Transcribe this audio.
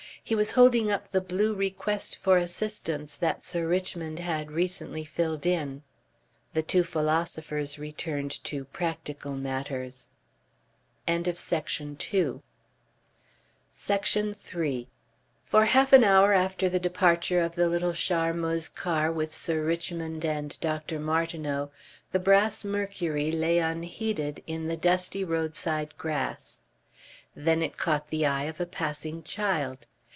He was holding up the blue request for assistance that Sir Richmond had recently filled in. The two philosophers returned to practical matters. Section 3 For half an hour after the departure of the little Charmeuse car with Sir Richmond and Dr. Martineau, the brass Mercury lay unheeded in the dusty roadside grass. Then it caught the eye of a passing child.